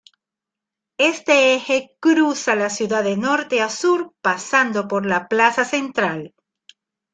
Este eje cruza la ciudad de norte a sur pasando por la plaza central.